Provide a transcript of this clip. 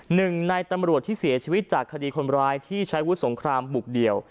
หนึ่งในตำรวจที่เสียชีวิตจากคดีคนร้ายที่ใช้วุฒิสงครามบุกเดี่ยว